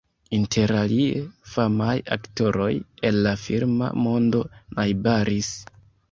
Interalie famaj aktoroj el la filma mondo najbaris.